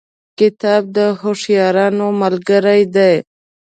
کتاب د هوښیارانو ملګری دی.